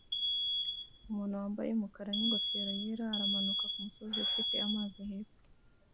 Umuntu wambaye umukara n'ingofero yera aramanuka kumusozi ufite amazi hepfo